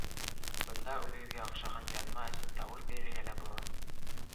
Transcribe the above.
Бында үҙегеҙгә оҡшаған яҙма өсөн тауыш бирергә лә була.